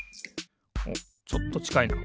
おっちょっとちかいな。